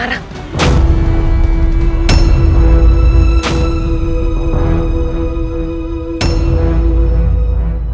coba lakukan cara selamat